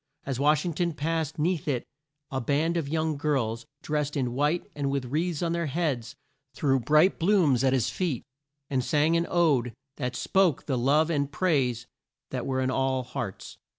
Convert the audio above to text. As Wash ing ton passed 'neath it a band of young girls, drest in white and with wreaths on their heads, threw bright blooms at his feet, and sang an ode that spoke the love and praise that were in all hearts.